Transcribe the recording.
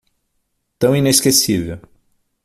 Tão inesquecível